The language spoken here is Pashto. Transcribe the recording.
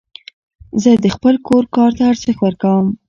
زه د خپل کور کار ته ارزښت ورکوم.